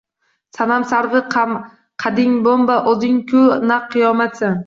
Sanam sarvi qading bo‘mba, o‘zing-ku naq qiyomatsan